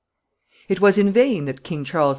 It was in vain that King Charles II.